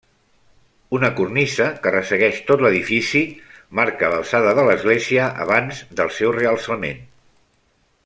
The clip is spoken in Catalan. Una cornisa, que ressegueix tot l'edifici, marca l'alçada de l'església avanç del seu realçament.